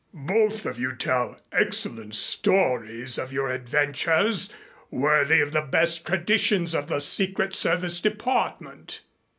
"Both of you tell excellent stories of your adventures worthy of the best traditions of the Secret Service Department.